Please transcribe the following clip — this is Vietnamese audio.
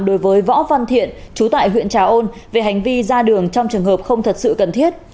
đối với võ văn thiện chú tại huyện trà ôn về hành vi ra đường trong trường hợp không thật sự cần thiết